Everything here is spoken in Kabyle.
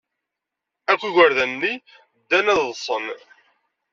Akk igerdan-nni ddan ad ḍḍsen.